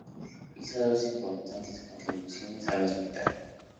Hizo dos importantes contribuciones al hospital.